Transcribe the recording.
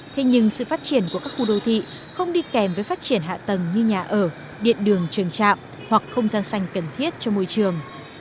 thế nhưng sự phát triển của các khu đô thị không đi kèm với phát triển hạ tầng như nhà ở điện đường trường trạm hoặc không gian xanh cần thiết cho môi trường